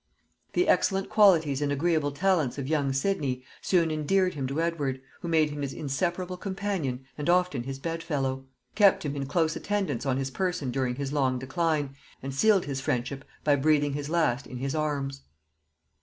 The excellent qualities and agreeable talents of young Sidney soon endeared him to Edward, who made him his inseparable companion and often his bed fellow; kept him in close attendance on his person during his long decline, and sealed his friendship by breathing his last in his arms.